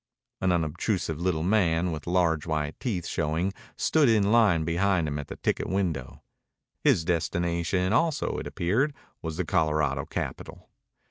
An unobtrusive little man with large white teeth showing stood in line behind him at the ticket window. His destination also, it appeared, was the Colorado capital.